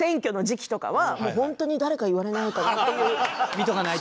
見とかないと。